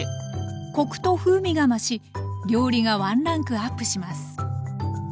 コクと風味が増し料理がワンランクアップします。